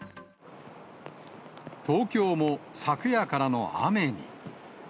東京も昨夜からの雨に。